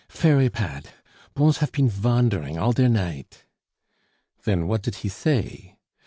"Fery pad; Bons haf peen vandering all der night." "Then, what did he say?"